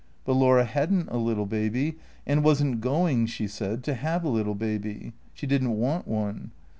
But Laura had n't a little baby, and was n't going, she said, to have a little baby. She did n't want one.